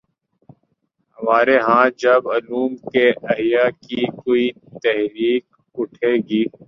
ہمارے ہاں جب علوم کے احیا کی کوئی تحریک اٹھے گی۔